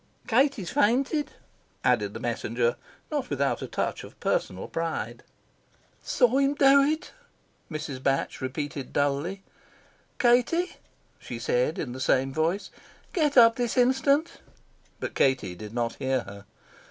"Katie's fainted," added the Messenger, not without a touch of personal pride. "Saw him do it," Mrs. Batch repeated dully. "Katie," she said, in the same voice, "get up this instant." But Katie did not hear her.